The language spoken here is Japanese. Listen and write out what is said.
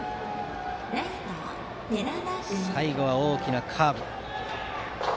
最後は大きなカーブ。